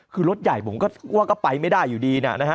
คือรถใหญ่ผมก็ว่าก็ไปไม่ได้อยู่ดีนะฮะ